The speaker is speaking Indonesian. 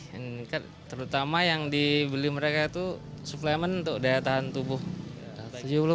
meningkat terutama yang dibeli mereka itu suplemen untuk daya tahan tubuh